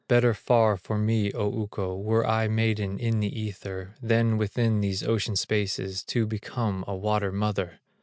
Better far for me, O Ukko! Were I maiden in the Ether, Than within these ocean spaces, To become a water mother!